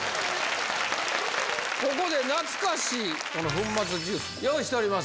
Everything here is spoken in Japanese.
ここで懐かしい、この粉末ジュース、用意しております。